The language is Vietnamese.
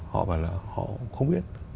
họ bảo là họ không biết